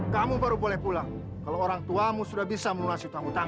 kamu baru boleh pulang kalau orang tuamu sudah bisa melunasi utang utang